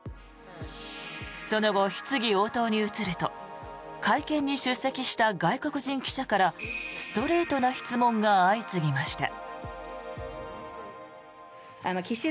その後、質疑応答に移ると会見に出席した外国人記者からストレートな質問が相次ぎました。